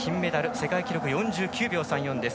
世界記録、４９秒３４です。